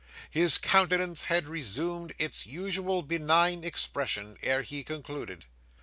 His countenance had resumed its usual benign expression, ere he concluded.